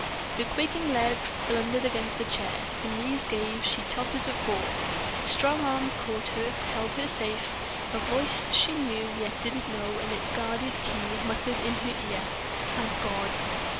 _ Her quaking legs blundered against a chair, her knees gave, she tottered to fall; strong arms caught her, held her safe, a voice she knew yet didn't know in its guarded key muttered in her ear: "Thank God!"